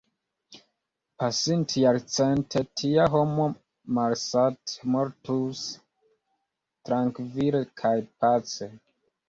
Pasintjarcente tia homo malsatmortus, trankvile kaj pace.